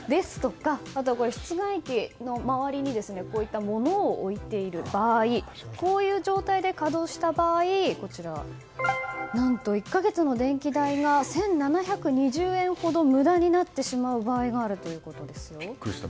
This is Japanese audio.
あとは室外機の周りに物を置いている場合こういう状態で稼働した場合何と１か月の電気代が１７２０円ほど無駄になってしまう場合があるびっくりした。